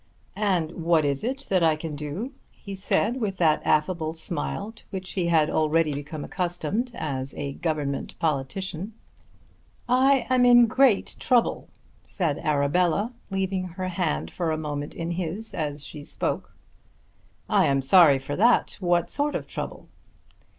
"And what is it I can do?" he said with that affable smile to which he had already become accustomed as a government politician. "I am in great trouble," said Arabella, leaving her hand for a moment in his as she spoke. "I am sorry for that. What sort of trouble?"